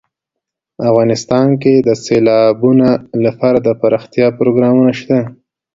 افغانستان کې د سیلابونه لپاره دپرمختیا پروګرامونه شته.